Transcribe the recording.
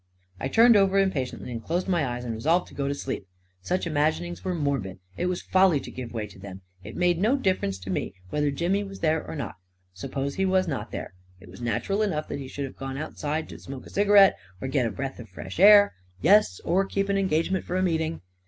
I turned over impatiently and closed my eyes and resolved to go to sleep. Such imaginings were mor bid — it was folly to give way to them. It made no 308 A KING IN BABYLON difference to me whether Jimmy was there or not. Suppose he was not there — it was natural enough that he should have gone outside to smoke a ciga rette, or get a breath of fresh air — yes, or keep an engagement for a meeting!